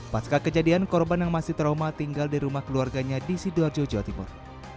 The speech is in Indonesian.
pasca kejadian korban yang masih trauma tinggal di rumah keluarganya di sidoarjo jawa timur